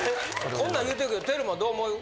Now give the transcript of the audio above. こんなん言うてるけどテルマどう思う？